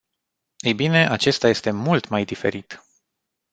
Ei bine, acesta este mult mai diferit.